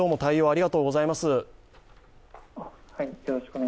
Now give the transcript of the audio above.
ありがとうございます。